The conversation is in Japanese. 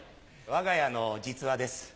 わが家の実話です。